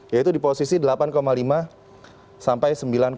yaitu di posisi delapan lima sampai sembilan